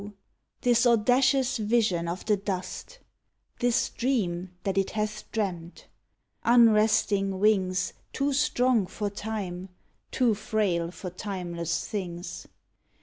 this audacious vision »of the dust — This dream that it hath dreamt! lUnresting wings, Too strong for Time, too frail for timeless things